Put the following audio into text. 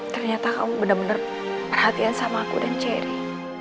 ternyata kamu bener bener perhatian sama aku dan cherry